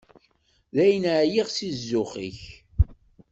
Dayen, εyiɣ si zzux-ik.